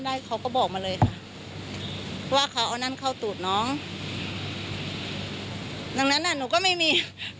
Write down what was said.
ดังนั่นยังก็นืกก็ไม่มี